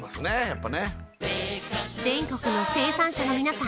やっぱね全国の生産者の皆さん